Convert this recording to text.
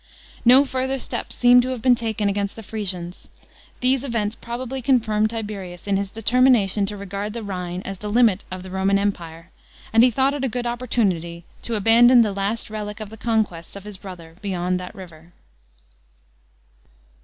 No further steps seem to have been taken against the Frisians. These events probably confirmed Tiberius in his determination to regard the Rhine as the limit of the Roman Empire, and he thought it a good op|K>rtunity to abandon the last relic of the conquests of his brother beyond that river.